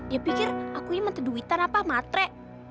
dia pikir akunya menteduwitan apa matre